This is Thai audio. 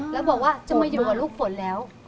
แล้วบอกว่าจะมาอยู่กับลูกฝนแล้ว